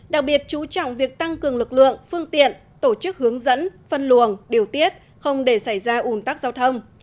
đặc biệt chú trọng việc tăng cường lực lượng phương tiện tổ chức hướng dẫn phân luồng điều tiết không để xảy ra ủn tắc giao thông